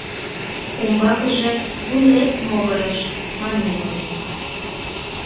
Умбакыже, вуйлеп могырыш, маннем ыле.